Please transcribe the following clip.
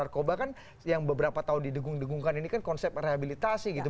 narkoba kan yang beberapa tahun didegung degungkan ini kan konsep rehabilitasi gitu